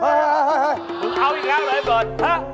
มึงเอาอีกครั้งเลยเบิร์ด